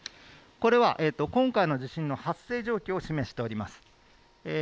これは今回の地震の発生状況を示しております。